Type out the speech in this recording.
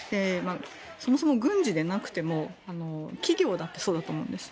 そもそも軍事でなくても企業だってそうだと思うんです。